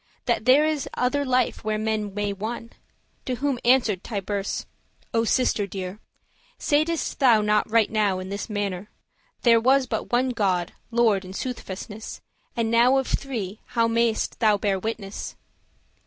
That there is other life where men may won."* *dwell To whom answer'd Tiburce, "O sister dear, Saidest thou not right now in this mannere, There was but one God, Lord in soothfastness,* *truth And now of three how may'st thou bear witness?"